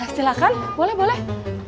silahkan boleh boleh